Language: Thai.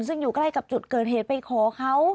ซึ่งอยู่ใกล้กับจุดเกิดเหตุไปขอเขา